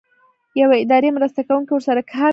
یو اداري مرسته کوونکی ورسره کار کوي.